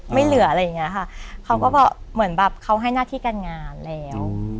ไม่เหลืออะไรอย่างเงี้ยค่ะเขาก็บอกเหมือนแบบเขาให้หน้าที่การงานแล้ว